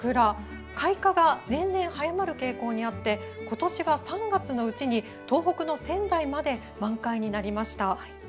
開花が年々早まる傾向にあって今年は３月のうちに東北の仙台まで満開になりました。